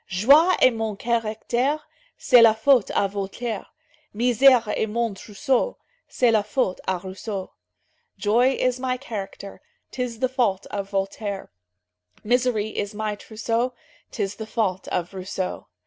"Joie est mon caractère, C'est la faute à Voltaire; Misère est mon trousseau, C'est la faute à Rousseau." "Joy is my character, 'Tis the fault of Voltaire; Misery is my trousseau, 'Tis the fault of Rousseau."